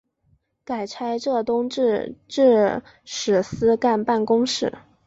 改差浙东制置使司干办公事。